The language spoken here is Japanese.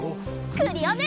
クリオネ！